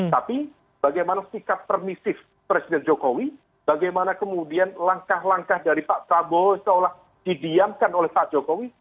tapi bagaimana sikap permisif presiden jokowi bagaimana kemudian langkah langkah dari pak prabowo seolah didiamkan oleh pak jokowi